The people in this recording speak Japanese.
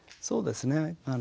そうですね。